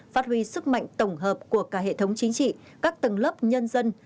phát huy sức mạnh tổng hợp của cả hệ thống chính trị các tầng lớp nhân dân